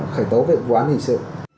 khởi tấu về vụ án hình sự